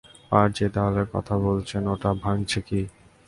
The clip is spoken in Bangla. আর যে দেয়ালের কথা বলছেন, ওটা ভাঙছে কে?